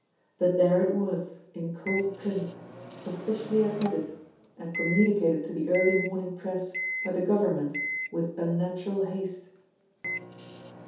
But there it was in cold print, officially admitted, and communicated to the early morning press by the Government with unnatural haste.